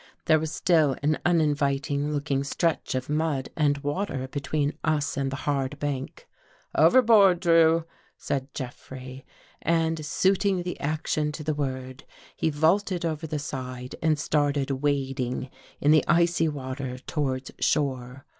There was still an uninviting looking stretch of mud and water be tween us and the hard bank. " Overboard, Drew," said Jeffrey, and suiting the action to the word, he vaulted over the side and started wading in the icy water towards shore.